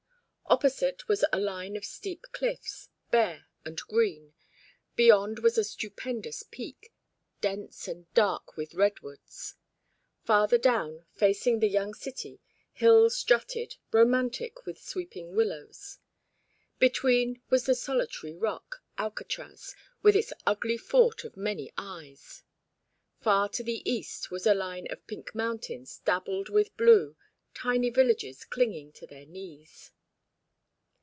Opposite was a line of steep cliffs, bare and green; beyond was a stupendous peak, dense and dark with redwoods. Farther down, facing the young city, hills jutted, romantic with sweeping willows. Between was the solitary rock, Alcatraz, with its ugly fort of many eyes. Far to the east was a line of pink mountains dabbled with blue, tiny villages clinging to their knees.